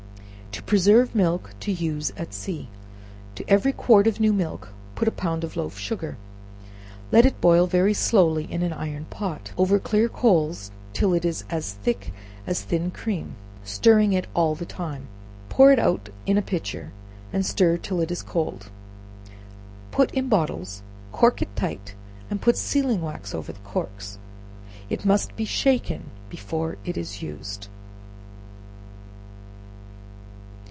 To Preserve Milk to use at Sea. To every quart of new milk put a pound of loaf sugar; let it boil very slowly in an iron pot, over clear coals, till it is as thick as thin cream stirring it all the time, pour it out in a pitcher, and stir till it is cold; put in bottles, cork it tight, and put sealing wax over the corks; it must be shaken before it is used.